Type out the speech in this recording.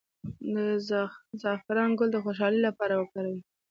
د زعفران ګل د خوشحالۍ لپاره وکاروئ